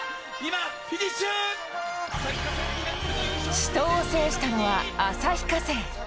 死闘を制したのは旭化成。